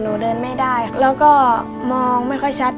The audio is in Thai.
เดินไม่ได้แล้วก็มองไม่ค่อยชัด